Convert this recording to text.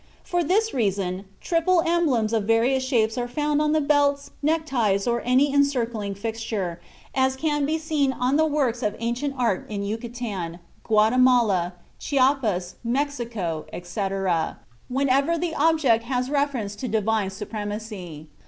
For this reason triple emblems of various shapes are found on the belts, neckties, or any encircling fixture, as can be seen on the works of ancient art in Yucatan, Guatemala, Chiapas, Mexico, etc., whenever the object has reference to divine supremacy."